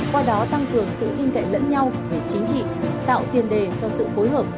qua đó tăng cường sự tin cậy lẫn nhau về chính trị tạo tiền đề cho sự phối hợp